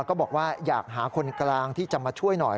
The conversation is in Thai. ก็บอกว่าอยากหาคนกลางที่จะมาช่วยหน่อย